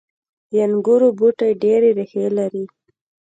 • د انګورو بوټي ډیرې ریښې لري.